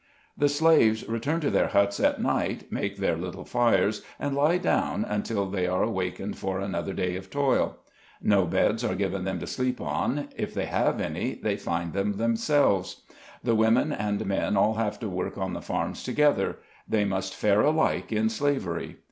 The slaves return to their huts at night, make their little fires, and lie down until they are awak ened for another day of toil. No beds are given them to sleep on ; if they have any, they find them themselves. The women and men all have to work on the farms together ; they must fare alike in slav ery.